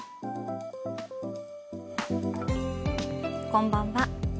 こんばんは。